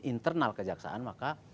di internal kejaksaan maka